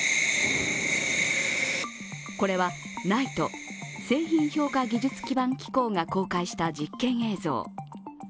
これはＮＩＴＥ＝製品評価技術基盤機構が公開した実験影像。